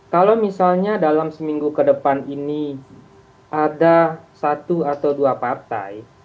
kalau misalnya dalam seminggu ke depan ini ada satu atau dua partai